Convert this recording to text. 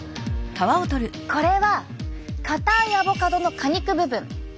これは硬いアボカドの果肉部分。